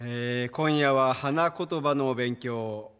今夜は花言葉のお勉強を。